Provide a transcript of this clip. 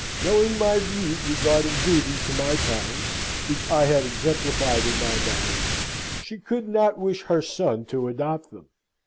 Knowing my views regarding duty to my parents (which I had exemplified in my marriage), she could not wish her son to adopt them.